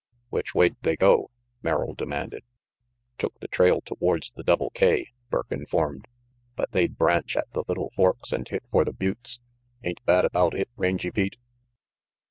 "Which way'd they go?" Merrill demanded. "Took the trail towards the Double K," Burke informed, "but they'd branch at the Little Forks and hit for the buttes. Ain't that about it, Rangy Pete?"